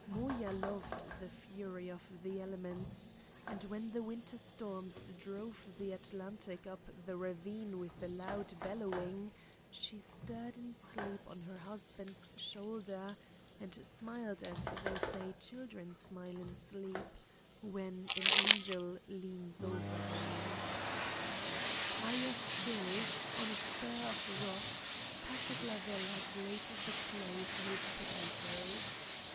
Moya loved the fury of the elements, and when the winter storms drove the Atlantic up the ravine with a loud bellowing, she stirred in sleep on her husband's shoulder, and smiled as they say children smile in sleep when an angel leans over them. Higher still, on a spur of rock, Patrick Lavelle had laid the clay for his potatoes.